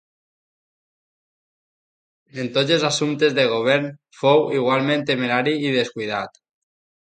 En tots els assumptes de govern fou igualment temerari i descuidat.